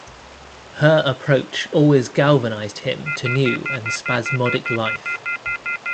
Her approach always galvanized him to new and spasmodic life.